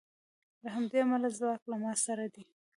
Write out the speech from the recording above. له همدې امله ځواک له ما سره دی